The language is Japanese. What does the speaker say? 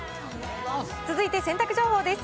続いて洗濯情報です。